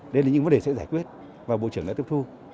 đây là những vấn đề sẽ giải quyết và bộ trưởng đã tiếp thu